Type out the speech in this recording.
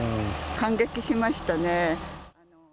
感激しましたね。